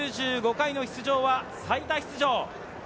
９５回の出場は最多出場。